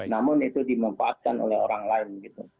namun itu dimanfaatkan oleh orang lain gitu